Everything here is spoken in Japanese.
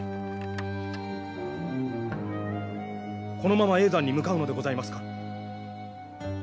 ・このまま叡山に向かうのでございますか？